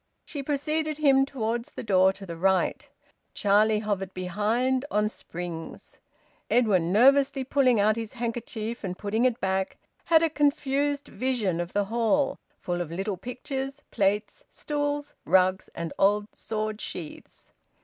She preceded him towards the door to the right. Charlie hovered behind, on springs. Edwin, nervously pulling out his handkerchief and putting it back, had a confused vision of the hall full of little pictures, plates, stools, rugs, and old sword sheaths.